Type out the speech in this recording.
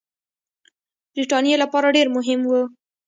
برټانیې لپاره ډېر مهم وه.